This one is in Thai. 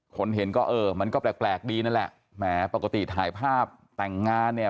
เห็นก็เออมันก็แปลกดีนั่นแหละแหมปกติถ่ายภาพแต่งงานเนี่ย